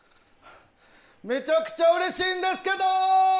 めちゃくちゃうれしいんですけど！